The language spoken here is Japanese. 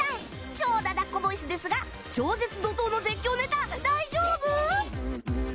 超だだっ子ボイスですが超絶怒濤の絶叫ネタ大丈夫？